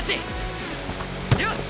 よし！